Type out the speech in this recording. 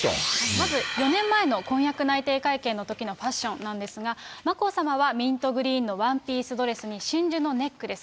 まず４年前の婚約内定会見のときのファッションなんですが、眞子さまはミントグリーンのワンピースドレスに真珠のネックレス。